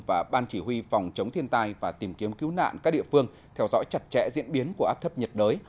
và ban chỉ huy phòng chống thiên tai và tìm kiếm cứu nạn các địa phương theo dõi chặt chẽ diễn biến của áp thấp nhiệt đới